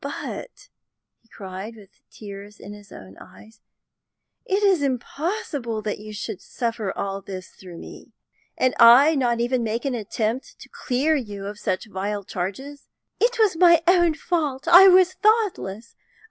"But," he cried, with tears in his own eyes, "it is impossible that you should suffer all this through me, and I not even make an attempt to clear you of such vile charges!" "It was my own fault. I was thoughtless.